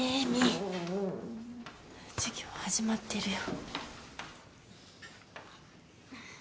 授業始まってるよ。